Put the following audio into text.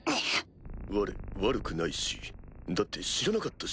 われ悪くないしだって知らなかったし。